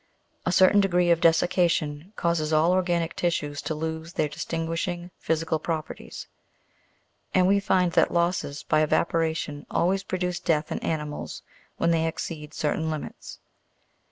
A certain degree of dessication causes all organic tissues to lose their distinguishing physical properties, and we find that losses by evaporation always produce death in animals when they exceed certain limits.